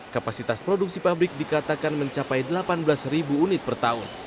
kapasitas produksi pabrik dikatakan mencapai delapan belas ribu unit per tahun